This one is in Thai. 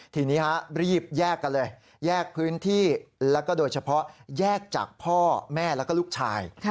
ทีนี้รีบแยกกันเลยแยกพื้นที่แล้วก็โดยเฉพาะแยกจากพ่อแม่แล้วก็ลูกชาย